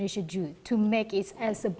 ini adalah masalah besar